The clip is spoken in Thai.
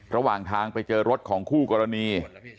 ระหว่างทางไปเจอรถของคู่กรณี